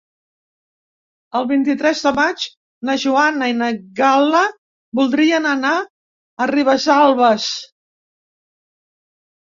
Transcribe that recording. El vint-i-tres de maig na Joana i na Gal·la voldrien anar a Ribesalbes.